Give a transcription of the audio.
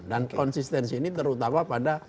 dan konsistensi ini terutama pada